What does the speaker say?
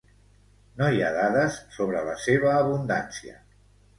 No hi ha dades sobre la seva abundància.